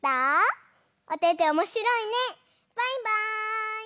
バイバーイ！